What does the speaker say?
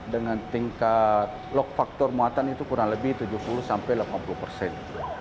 dengan tingkat lok faktor muatan itu kurang lebih tujuh puluh sampai delapan puluh persen